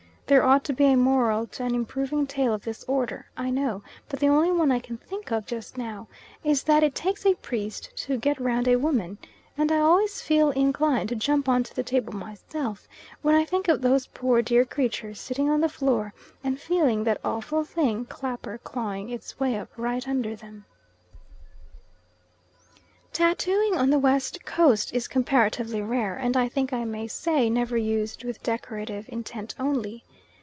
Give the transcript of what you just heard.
There ought to be a moral to an improving tale of this order, I know, but the only one I can think of just now is that it takes a priest to get round a woman; and I always feel inclined to jump on to the table myself when I think of those poor dear creatures sitting on the floor and feeling that awful thing clapper clawing its way up right under them. Tattooing on the West Coast is comparatively rare, and I think I may say never used with decorative intent only.